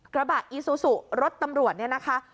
กระบะอีซูซูรถตำรวจเนี่ยนะคะ